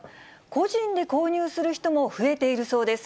個人で購入する人も増えているそうです。